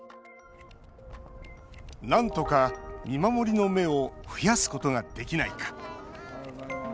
なんとか見守りの目を増やすことができないか。